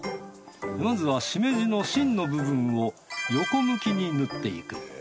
まずはしめじの芯の部分を横向きに縫っていくえ